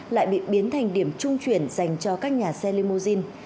lại bị biến thành điểm trung chuyển dành cho các nhà xe limousine